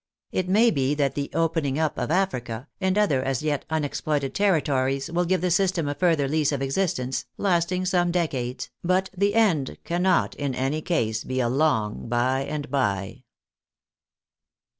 It may be that the "opening up" of Africa, and other as yet unexploited territories, will give the system a further lease of existence, lasting some decades, but the end can not in any case be a long by and by.